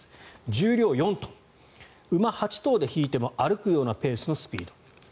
重量４トン馬８頭で引いても歩くようなペースのスピード。